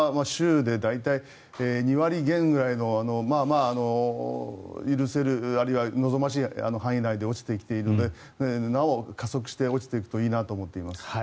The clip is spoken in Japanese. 週で大体２割減くらいのまあまあ、許せるあるいは望ましい範囲内で落ちてきているのでなお加速して落ちていくといいなと思っています。